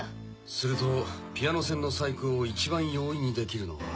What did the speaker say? するとピアノ線の細工を一番容易にできるのは。